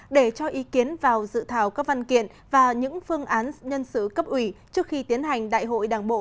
để cho ý kiến vào dự thảo các văn kiện và những phương án nhân sử cấp ủy trước khi tiến hành đại hội đảng bộ